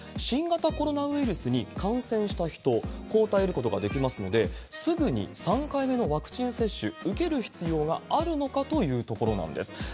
新型コロナウイルスに感染した人、抗体得ることができますので、すぐに３回目のワクチン接種受ける必要があるのかというところなんです。